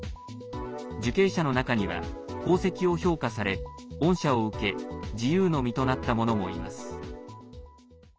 受刑者の中には、功績を評価され恩赦を受け自由の身となった者もいます。